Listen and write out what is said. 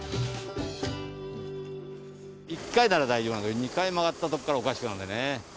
１回なら大丈夫なんだけど２回曲がったところからおかしくなるんだよね。